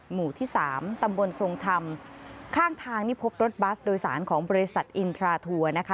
หมู่ที่สามตำบลทรงธรรมข้างทางนี่พบรถบัสโดยสารของบริษัทอินทราทัวร์นะคะ